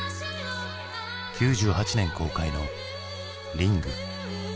９８年公開の「リング」。